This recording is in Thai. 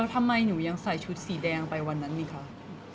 แล้วทำไมหนูยังใส่ชุดสีแดงไปวันนั้นเนี่ยค่ะ